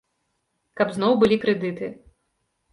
Каб зноў былі крэдыты.